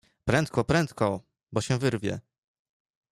"Prędko, prędko, bo się wyrwie!"